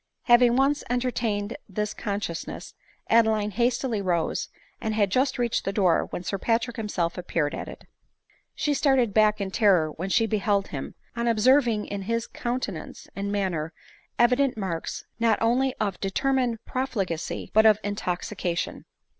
Having once entertained this consciousness,' Adeline hastily arose, and had just reached the door when Sir Patrick himself appeared at it. She started back in terror when she beheld him, on observing in his countenance and manner evident marks not only of determined profli gacy, but of intoxication.